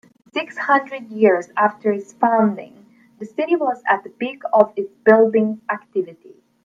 Six hundred years after its founding, the city was at the peak of its building activity.